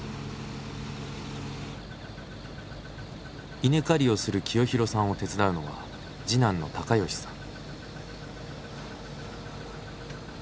稲刈りをする清弘さんを手伝うのは次男の貴吉さん。